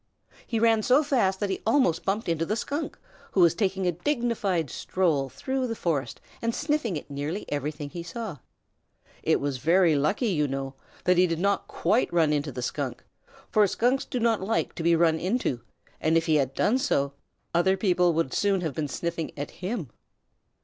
He ran so fast that he almost bumped into the Skunk, who was taking a dignified stroll through the forest and sniffing at nearly everything he saw. It was very lucky, you know, that he did not quite run into the Skunk, for Skunks do not like to be run into, and, if he had done so, other people would soon have been sniffing at him.